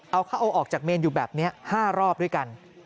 เอาเข้าเอาออกจากเมนอยู่แบบนี้๕รอบด้วยกัน